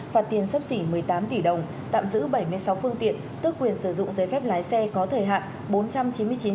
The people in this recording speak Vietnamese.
phạt tiền sấp xỉ một mươi tám tỷ đồng tạm giữ bảy mươi sáu phương tiện tước quyền sử dụng giấy phép lái xe có thời hạn